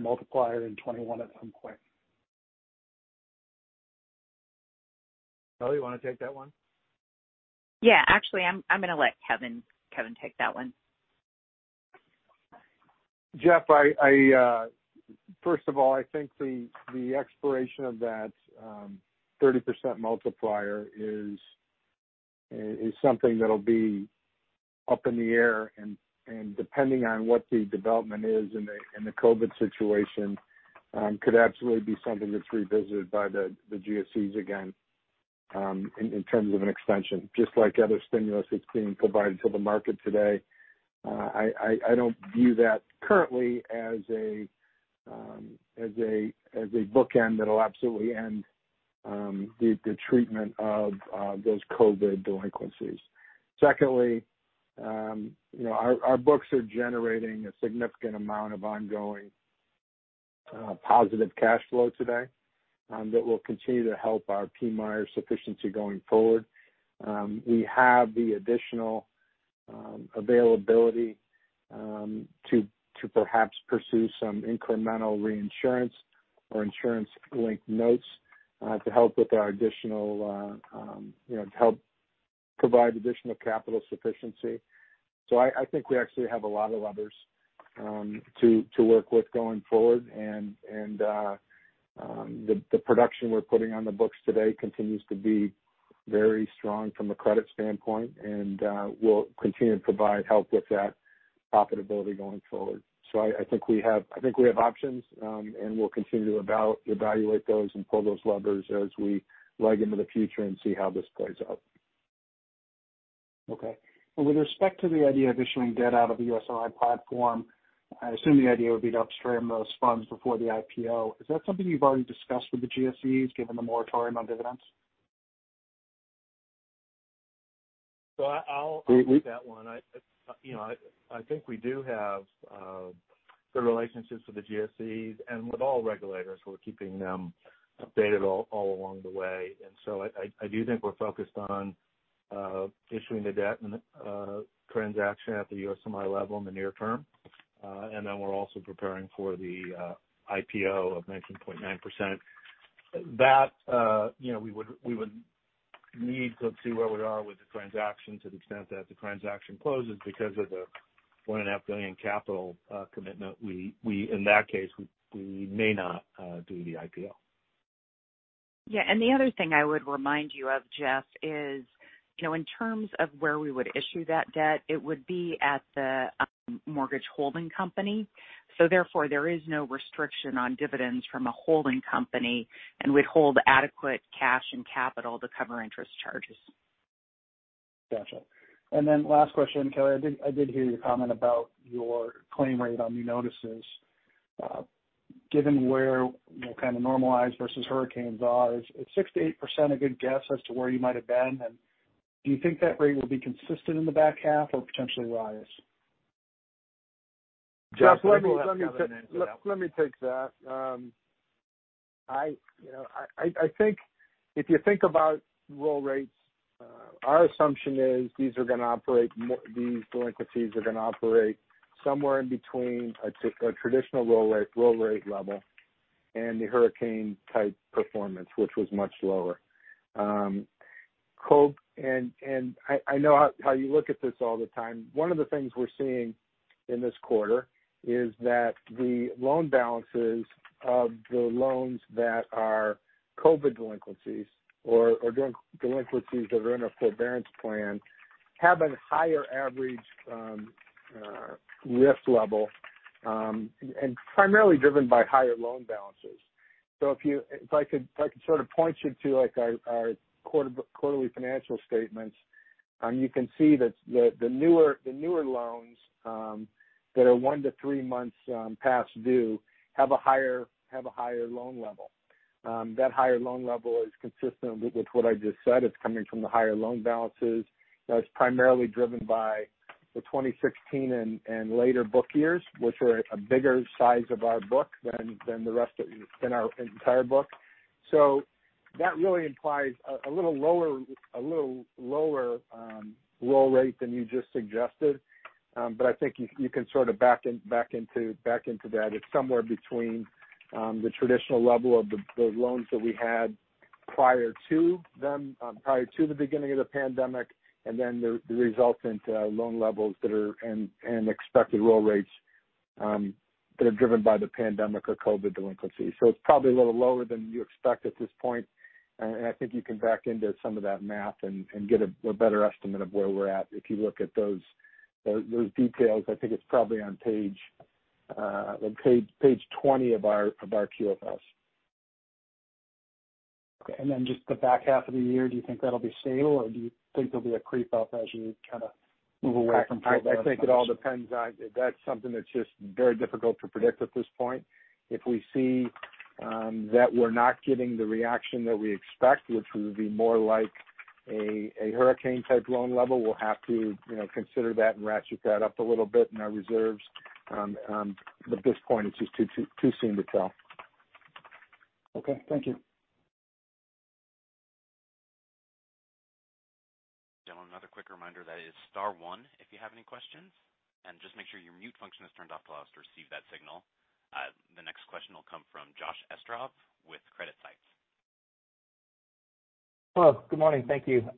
Speaker 6: multiplier in 2021 at some point?
Speaker 3: Kelly, you want to take that one?
Speaker 4: Yeah, actually, I'm going to let Kevin take that one.
Speaker 7: Geoffrey, first of all, I think the expiration of that 30% multiplier is something that'll be up in the air and depending on what the development is in the COVID situation could absolutely be something that's revisited by the GSEs again in terms of an extension, just like other stimulus that's being provided to the market today. I don't view that currently as a bookend that'll absolutely end the treatment of those COVID delinquencies. Secondly, our books are generating a significant amount of ongoing positive cash flow today that will continue to help our PMIER sufficiency going forward. We have the additional availability to perhaps pursue some incremental reinsurance or insurance-linked notes to help with our additional, you know, to help provide additional capital sufficiency. I think we actually have a lot of levers to work with going forward. The production we're putting on the books today continues to be very strong from a credit standpoint and will continue to provide help with that profitability going forward. I think we have options, and we'll continue to evaluate those and pull those levers as we leg into the future and see how this plays out.
Speaker 6: Okay. With respect to the idea of issuing debt out of the USMI platform, I assume the idea would be to upstream those funds before the IPO. Is that something you've already discussed with the GSEs, given the moratorium on dividends?
Speaker 3: I'll take that one. I, you know, I think we do have the relationships with the GSEs and with all regulators. We're keeping them updated all along the way. I do think we're focused on issuing the debt and transaction at the USMI level in the near term. We're also preparing for the IPO of 19.9%. That, you know, we would need to see where we are with the transaction to the extent that the transaction closes because of the $1.5 billion capital commitment. In that case, we may not do the IPO.
Speaker 4: Yeah. The other thing I would remind you of, Geoffrey, is, you know, in terms of where we would issue that debt, it would be at the mortgage holding company. Therefore, there is no restriction on dividends from a holding company, and we'd hold adequate cash and capital to cover interest charges.
Speaker 6: Gotcha. Then last question, Kelly. I did hear your comment about your claim rate on new notices. Given where, you know, kind of normalized versus hurricanes are, is 6%-8% a good guess as to where you might have been? Do you think that rate will be consistent in the back half or potentially rise?
Speaker 7: Geoffrey, let me take that. I, you know, I think if you think about roll rates, our assumption is these are gonna operate more—these delinquencies are gonna operate somewhere in between a traditional roll rate level and the hurricane-type performance, which was much lower. COVID. I know how you look at this all the time. One of the things we're seeing in this quarter is that the loan balances of the loans that are COVID delinquencies or delinquencies that are in a forbearance plan have a higher average risk level, and primarily driven by higher loan balances. If I could sort of point you to, like, our quarter-quarterly financial statements, you can see that the newer loans that are one to three months past due have a higher loan level. That higher loan level is consistent with what I just said. It's coming from the higher loan balances. You know, it's primarily driven by the 2016 and later book years, which were a bigger size of our book than the rest of our entire book. That really implies a little lower roll rate than you just suggested. But I think you can sort of back into that. It's somewhere between the traditional level of the loans that we had prior to them, prior to the beginning of the pandemic and then the resultant loan levels that are, and expected roll rates that are driven by the pandemic or COVID delinquencies. It's probably a little lower than you expect at this point. I think you can back into some of that math and get a better estimate of where we're at if you look at those details. I think it's probably on page 20 of our QFS.
Speaker 6: Okay. Then just the back half of the year, do you think that'll be stable, or do you think there'll be a creep up as you kinda move away from-
Speaker 7: I think it all depends on. That's something that's just very difficult to predict at this point. If we see that we're not getting the reaction that we expect, which would be more like a hurricane-type loan level, we'll have to, you know, consider that and ratchet that up a little bit in our reserves. At this point, it's just too soon to tell.
Speaker 6: Okay. Thank you.
Speaker 1: Gentlemen, another quick reminder, that is star one if you have any questions. Just make sure your mute function is turned off to allow us to receive that signal. The next question will come from Josh Esterov with CreditSights.
Speaker 8: Hello. Good morning. Thank you.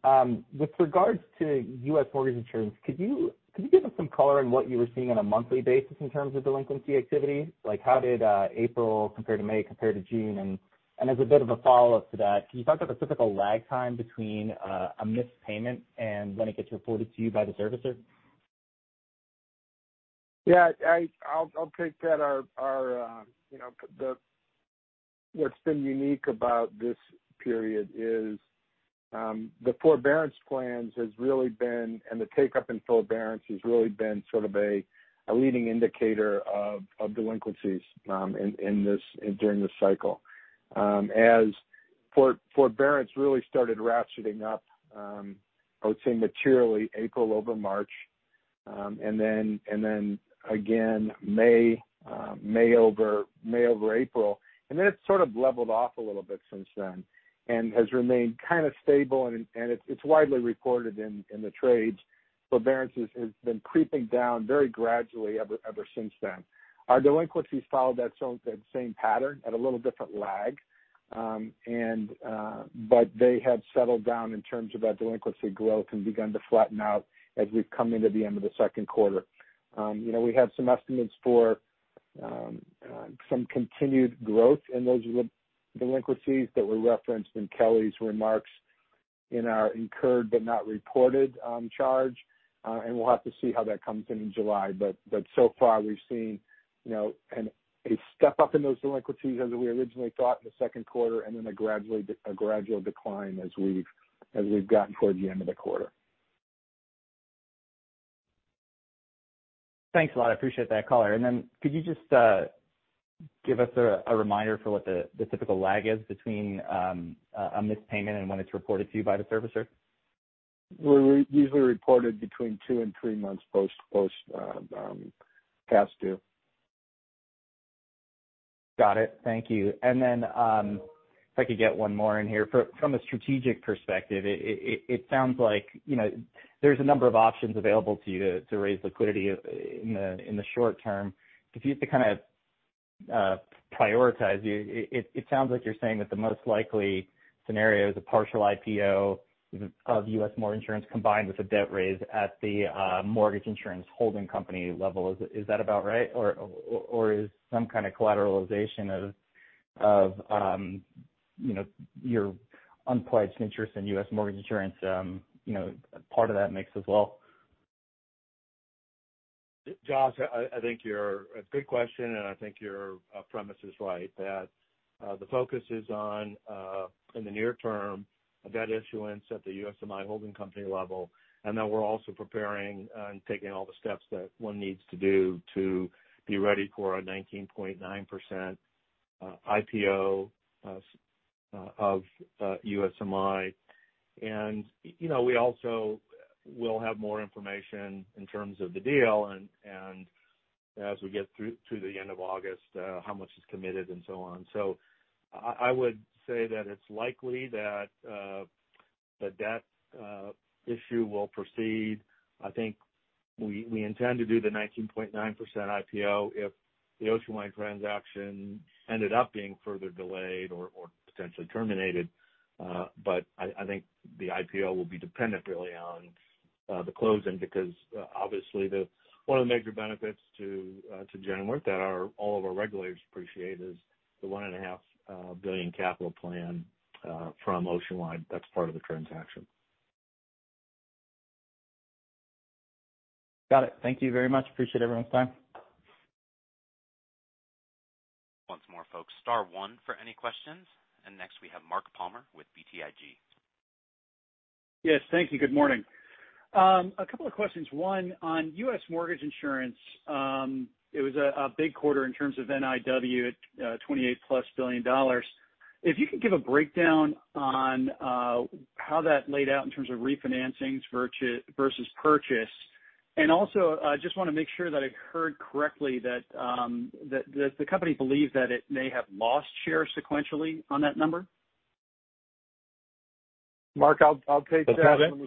Speaker 8: With regards to U.S. mortgage insurance, could you give us some color on what you were seeing on a monthly basis in terms of delinquency activity? Like how did April compare to May compare to June? As a bit of a follow-up to that, can you talk about the typical lag time between a missed payment and when it gets reported to you by the servicer?
Speaker 7: Yeah, I'll take that. Our, you know, what's been unique about this period is the forbearance plans has really been, and the take-up in forbearance has really been a leading indicator of delinquencies in this, during this cycle. As forbearance really started ratcheting up, I would say materially April over March. Then again, May over April. It sort of leveled off a little bit since then and has remained kind of stable. It's widely reported in the trades. Forbearance has been creeping down very gradually ever since then. Our delinquencies followed that same pattern at a little different lag. They have settled down in terms of our delinquency growth and begun to flatten out as we've come into the end of the second quarter. We have some estimates for some continued growth in those delinquencies that were referenced in Kelly's remarks in our incurred but not reported charge. We'll have to see how that comes in in July. So far, we've seen a step-up in those delinquencies as we originally thought in the second quarter, and then a gradual decline as we've gotten toward the end of the quarter.
Speaker 8: Thanks a lot. I appreciate that color. Then could you just give us a reminder for what the typical lag is between a missed payment and when it's reported to you by the servicer?
Speaker 7: We're usually reported between two and three months post past due.
Speaker 8: Got it. Thank you. If I could get one more in here. From a strategic perspective, it sounds like there's a number of options available to you to raise liquidity in the short term. If you had to kind of prioritize, it sounds like you're saying that the most likely scenario is a partial IPO of US Mortgage Insurance combined with a debt raise at the mortgage insurance holding company level. Is that about right? Is some kind of collateralization of your unpledged interest in US Mortgage Insurance part of that mix as well?
Speaker 3: Josh, I think a good question, and I think your premise is right. That the focus is on, in the near term, a debt issuance at the USMI holding company level, and that we're also preparing and taking all the steps that one needs to do to be ready for a 19.9% IPO of USMI. We also will have more information in terms of the deal and as we get through to the end of August, how much is committed and so on. I would say that it's likely that the debt issue will proceed. I think we intend to do the 19.9% IPO if the Oceanwide transaction ended up being further delayed or potentially terminated. I think the IPO will be dependent really on the closing because obviously one of the major benefits to Genworth that all of our regulators appreciate is the $1.5 billion capital plan from Oceanwide that's part of the transaction.
Speaker 8: Got it. Thank you very much. Appreciate everyone's time.
Speaker 1: Once more, folks, star one for any questions. Next we have Mark Palmer with BTIG.
Speaker 9: Yes, thank you. Good morning. A couple of questions. One, on U.S. mortgage insurance, it was a big quarter in terms of NIW at $28+ billion. If you could give a breakdown on how that laid out in terms of refinancings versus purchase. Also, I just want to make sure that I heard correctly that the company believed that it may have lost share sequentially on that number.
Speaker 7: Mark, I'll take that.
Speaker 3: Go ahead.
Speaker 7: Let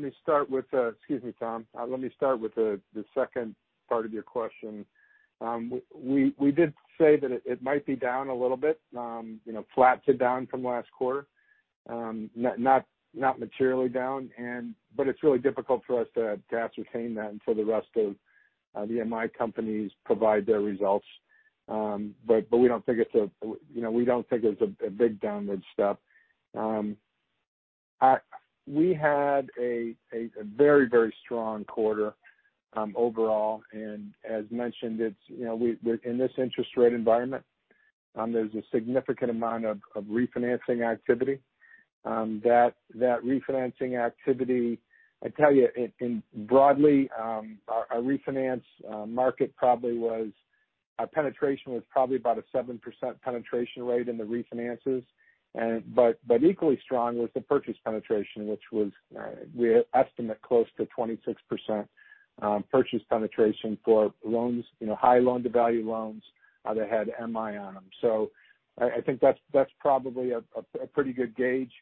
Speaker 7: me start with, excuse me, Tom. Let me start with the second part of your question. We did say that it might be down a little bit. Flat to down from last quarter. Not materially down. It's really difficult for us to ascertain that until the rest of the MI companies provide their results. We don't think it's a big downward step. We had a very strong quarter overall, and as mentioned, in this interest rate environment, there's a significant amount of refinancing activity. That refinancing activity, I tell you, broadly, our refinance market our penetration was probably about a 7% penetration rate in the refinances. Equally strong was the purchase penetration, which was, we estimate close to 26% purchase penetration for high loan-to-value loans that had MI on them. I think that's probably a pretty good gauge.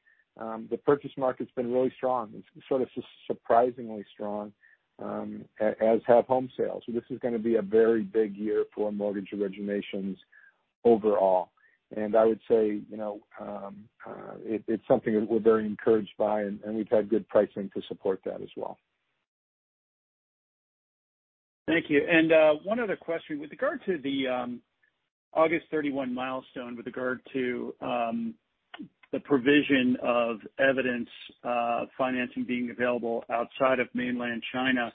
Speaker 7: The purchase market's been really strong. It's sort of surprisingly strong, as have home sales. This is going to be a very big year for mortgage originations overall. I would say it's something that we're very encouraged by, and we've had good pricing to support that as well.
Speaker 9: Thank you. One other question. With regard to the August 31 milestone, with regard to the provision of evidence of financing being available outside of mainland China,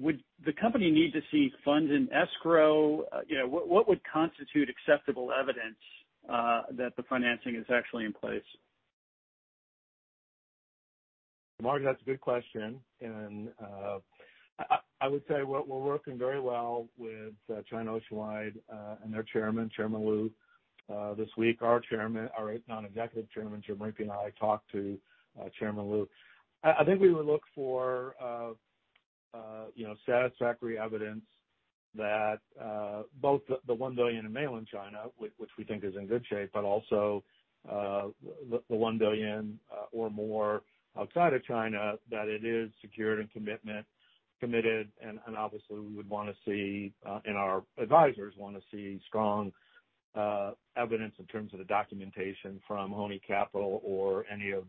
Speaker 9: would the company need to see funds in escrow? What would constitute acceptable evidence that the financing is actually in place?
Speaker 3: Mark, that's a good question, and I would say we're working very well with China Oceanwide and their Chairman Lu. This week, our Non-Executive Chairman, Jim Riepe, and I talked to Chairman Lu. I think we would look for satisfactory evidence that both the $1 billion in Mainland China, which we think is in good shape, but also the $1 billion or more outside of China, that it is secured in commitment, committed, and obviously we would want to see, and our advisors want to see strong evidence in terms of the documentation from Hony Capital or any of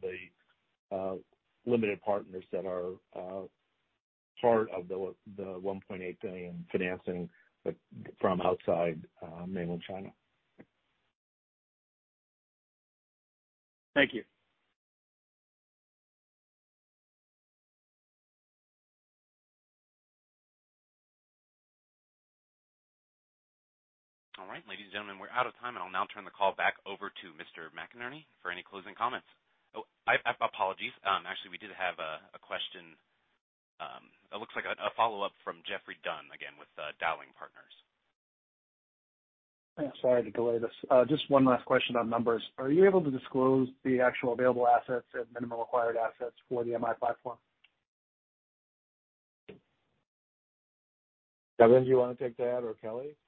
Speaker 3: the limited partners that are part of the $1.8 billion financing from outside Mainland China.
Speaker 9: Thank you.
Speaker 1: All right. Ladies and gentlemen, we're out of time. I'll now turn the call back over to Mr. McInerney for any closing comments. Oh, apologies. Actually, we did have a question. It looks like a follow-up from Geoffrey Dunn, again, with Dowling & Partners.
Speaker 6: Sorry to delay this. Just one last question on numbers. Are you able to disclose the actual available assets and minimum required assets for the MI platform?
Speaker 3: Kevin, do you want to take that, or Kelly?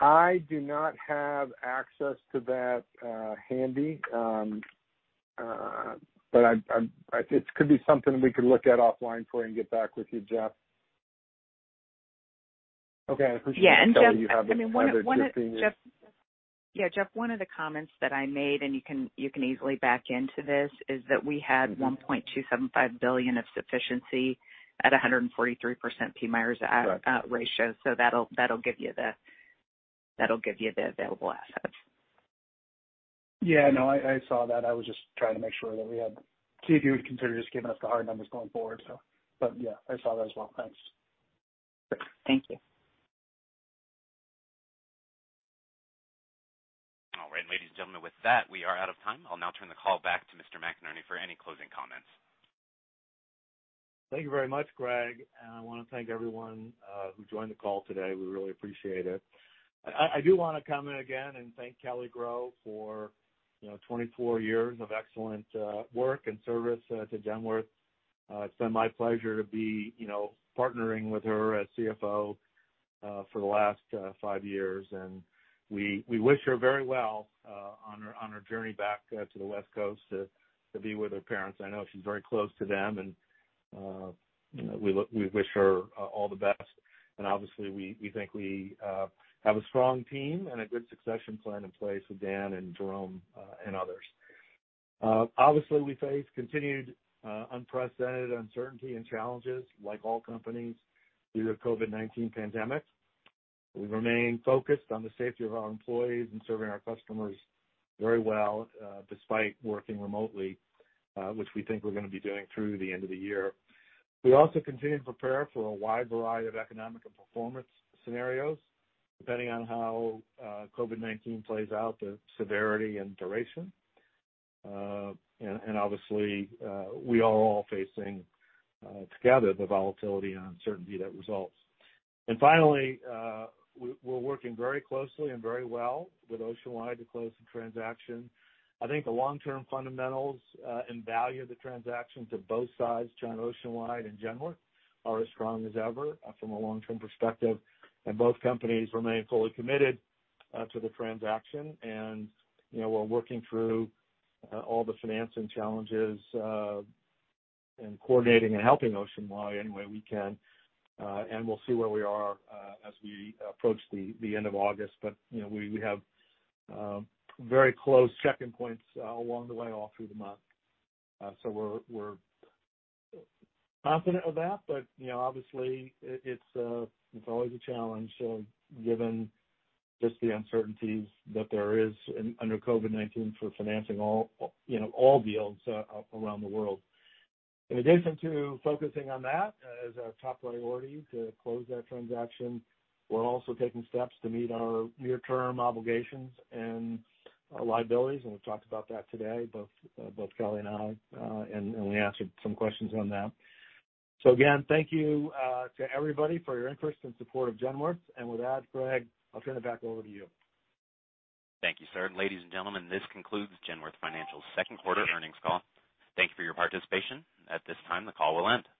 Speaker 7: I do not have access to that handy. It could be something we could look at offline for you and get back with you, Geoffrey.
Speaker 6: Okay, I appreciate.
Speaker 4: Yeah. Geoffrey, one of the comments that I made, and you can easily back into this, is that we had $1.275 billion of sufficiency at 143% PMIERs ratio. That'll give you the available assets.
Speaker 6: Yeah, no, I saw that. I was just trying to make sure that we had see if you would consider just giving us the hard numbers going forward. Yeah, I saw that as well. Thanks.
Speaker 4: Thank you.
Speaker 1: All right. Ladies and gentlemen, with that, we are out of time. I'll now turn the call back to Mr. McInerney for any closing comments.
Speaker 3: Thank you very much, Greg. I want to thank everyone who joined the call today. We really appreciate it. I do want to comment again and thank Kelly Groh for 24 years of excellent work and service to Genworth. It's been my pleasure to be partnering with her as CFO for the last five years. We wish her very well on her journey back to the West Coast to be with her parents. I know she's very close to them. We wish her all the best. Obviously, we think we have a strong team and a good succession plan in place with Dan and Jerome and others. Obviously, we face continued unprecedented uncertainty and challenges, like all companies, due to COVID-19 pandemic. We remain focused on the safety of our employees and serving our customers very well despite working remotely, which we think we're going to be doing through the end of the year. We also continue to prepare for a wide variety of economic and performance scenarios depending on how COVID-19 plays out, the severity and duration. Obviously, we are all facing together the volatility and uncertainty that results. Finally, we're working very closely and very well with Oceanwide to close the transaction. I think the long-term fundamentals and value of the transaction to both sides, China Oceanwide and Genworth, are as strong as ever from a long-term perspective, and both companies remain fully committed to the transaction. We're working through all the financing challenges and coordinating and helping Oceanwide any way we can. We'll see where we are as we approach the end of August. We have very close check-in points along the way, all through the month. We're confident of that. Obviously, it's always a challenge given just the uncertainties that there is under COVID-19 for financing all deals around the world. In addition to focusing on that as our top priority to close that transaction, we're also taking steps to meet our near-term obligations and liabilities, and we've talked about that today, both Kelly and I, and we answered some questions on that. Again, thank you to everybody for your interest and support of Genworth. With that, Greg, I'll turn it back over to you.
Speaker 1: Thank you, sir. Ladies and gentlemen, this concludes Genworth Financial Second Quarter Earnings Call. Thank you for your participation. At this time, the call will end.